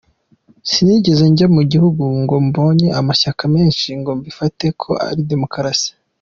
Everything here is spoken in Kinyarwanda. Sinigeze njya mu gihugu ngo mbone amashyaka menshi ngo mbifate ko ari demokarasi.